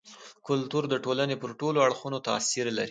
کلتور د ټولني پر ټولو اړخونو تاثير لري.